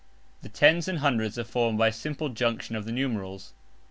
The tens and hundreds are formed by simple junction of the numerals.